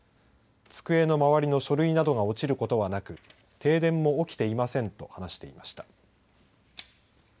机の周りの書類などが落ちることはなく停電も起きていませんと話していました。